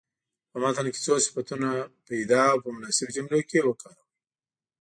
په متن کې څو صفتونه پیدا او په مناسبو جملو کې وکاروئ.